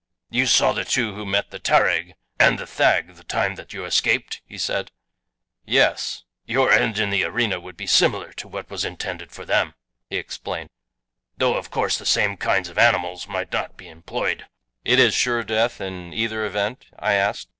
"You saw the two who met the tarag and the thag the time that you escaped?" he said. "Yes." "Your end in the arena would be similar to what was intended for them," he explained, "though of course the same kinds of animals might not be employed." "It is sure death in either event?" I asked.